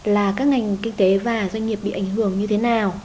là các ngành kinh tế và doanh nghiệp bị ảnh hưởng như thế nào